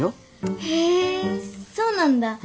へえそうなんだ。